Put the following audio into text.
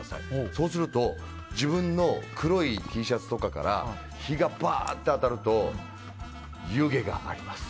そうすると自分の黒いＴシャツとかから日がバーって当たると湯気が上がります。